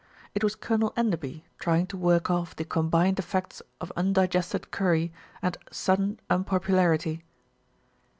It was Colonel Enderby trying to work off the combined effects of undigested curry and sudden unpopularity.